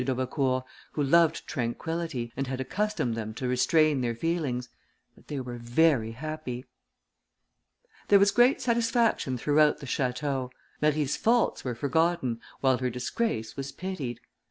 d'Aubecourt, who loved tranquillity, and had accustomed them to restrain their feelings; but they were very happy. There was great satisfaction throughout the château; Marie's faults were forgotten, while her disgrace was pitied.